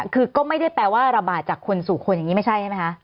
คือก็ไม่ได้แปลว่าระบาดจากคนสู่คนอย่างนี้ไม่ใช่ใช่ไหมคะ